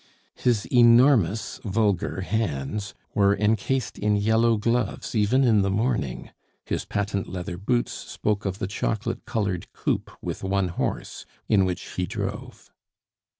His enormous vulgar hands were encased in yellow gloves even in the morning; his patent leather boots spoke of the chocolate colored coupe with one horse in which he drove.